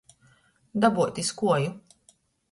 Dabuot iz kuoju.